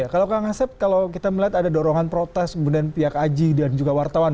kalau kang asep kalau kita melihat ada dorongan protes kemudian pihak aji dan juga wartawan